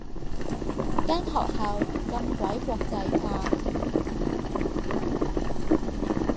間學校咁鬼國際化